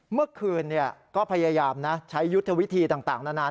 เมื่อคืนก็พยายามนะใช้ยุทธวิธีต่างนาน